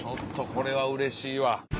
これはうれしいわ。